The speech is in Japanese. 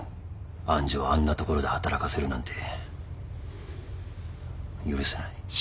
愛珠をあんな所で働かせるなんて許せない。